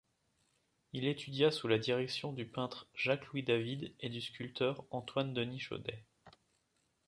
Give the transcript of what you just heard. Il étudia sous la direction du peintre Jacques-Louis David et du sculpteur Antoine-Denis Chaudet.